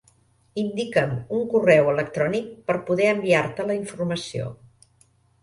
Indica'm un correu electrònic per poder enviar-te la informació.